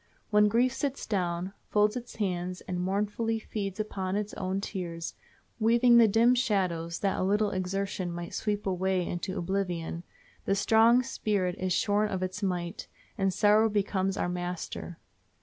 When grief sits down, folds its hands, and mournfully feeds upon its own tears, weaving the dim shadows that a little exertion might sweep away into oblivion, the strong spirit is shorn of its might, and sorrow becomes our master.